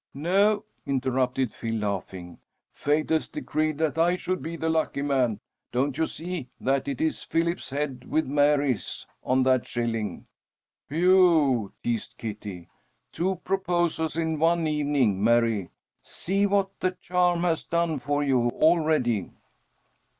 "No," interrupted Phil, laughing, "fate has decreed that I should be the lucky man. Don't you see that it is Philip's head with Mary's on that shilling?" "Whew!" teased Kitty. "Two proposals in one evening, Mary. See what the charm has done for you already!"